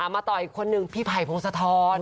มาต่ออีกคนหนึ่งพี่ภัยโพงสะท้อน